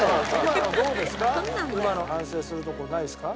今のどうですか？